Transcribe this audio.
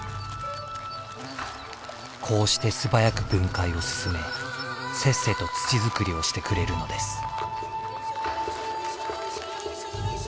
こうして素早く分解を進めせっせと土作りをしてくれるのです。